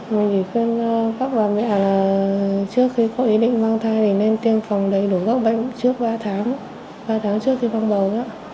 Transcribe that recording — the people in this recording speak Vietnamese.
mình thì khuyên pháp bà mẹ là trước khi có ý định mang thai thì nên tiêm phòng đầy đủ các bệnh trước ba tháng ba tháng trước khi ban đầu